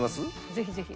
ぜひぜひ。